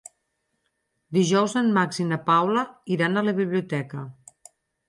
Dijous en Max i na Paula iran a la biblioteca.